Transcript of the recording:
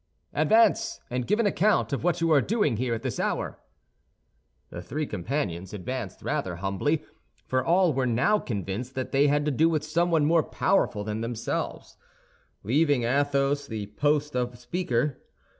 "Advance, and give an account of what you are doing here at this hour." The three companions advanced rather humbly—for all were now convinced that they had to do with someone more powerful than themselves—leaving Athos the post of speaker.